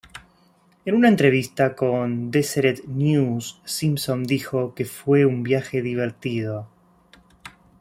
En una entrevista con Deseret News, Simpson dijo que "fue un viaje divertido.